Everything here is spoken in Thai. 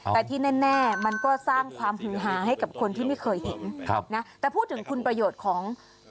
แต่ที่แน่มันก็สร้างความหูหาให้กับคนที่ไม่เคยเห็น